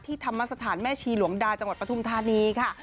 ธรรมสถานแม่ชีหลวงดาจังหวัดปทุมธานีค่ะ